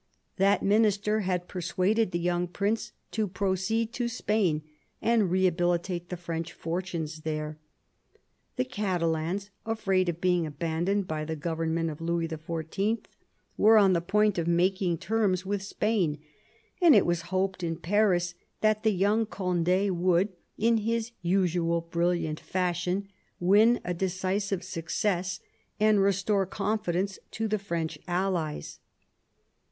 That Ill THE PEACE OF WESTPHALIA 45 minister had persuaded the young prince to proceed to Spain and rehabilitate the French fortunes there. The Catalans, afraid of being abandoned by the government of Louis XIV., were on the point of making terms with Spain, and it was hoped in Paris that the young Cond^ would, in his usual brilliant fashion, win a decisive success and restore confidence to the French allies.